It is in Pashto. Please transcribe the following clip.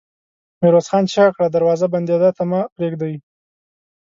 ميرويس خان چيغه کړه! دروازه بندېدا ته مه پرېږدئ!